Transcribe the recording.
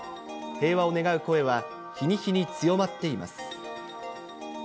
平和を願う声は、日に日に強まっています。